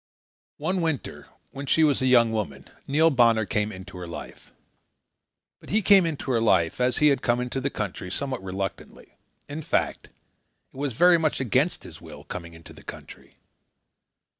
One winter, when she was a young woman, Neil Bonner came into her life. But he came into her life, as he had come into the country, somewhat reluctantly. In fact, it was very much against his will, coming into the country.